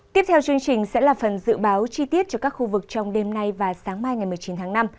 tiếp theo chương trình sẽ là phần dự báo chi tiết cho các khu vực trong đêm nay và sáng mai ngày một mươi chín tháng năm